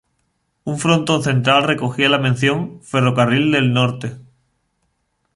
Un frontón central recogía la mención "Ferrocarril del Norte".